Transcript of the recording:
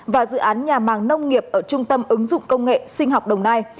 và dự án nhà màng nông nghiệp ở trung tâm ứng dụng công nghệ sinh học đồng nai